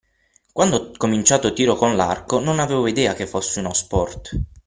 Quando ho cominciato tiro con l'arco, non avevo idea che fosse uno sport.